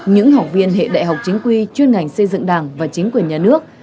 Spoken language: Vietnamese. những học viên hệ đại học chính quy chuyên ngành xây dựng đảng và chính quyền nhà nước